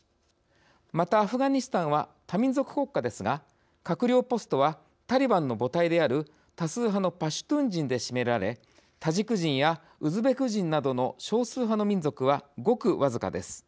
また、アフガニスタンは多民族国家ですが閣僚ポストはタリバンの母体である多数派のパシュトゥン人で占められタジク人やウズベク人などの少数派の民族はごく僅かです。